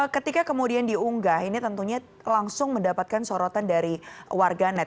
ketika kemudian diunggah ini tentunya langsung mendapatkan sorotan dari warganet